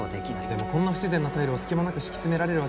でもこんな不自然なタイルを隙間なく敷き詰められるわけは